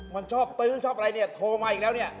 มันชอบตื้นชอบอะไรโทรมาอีกแล้ว